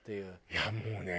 いやもうね。